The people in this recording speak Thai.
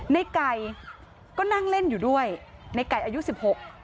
นายไก่ก็นั่งเล่นอยู่ด้วยนายไก่อายุ๑๖ปี